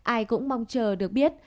ai cũng mong chờ được biết